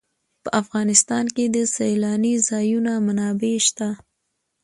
په افغانستان کې د سیلانی ځایونه منابع شته.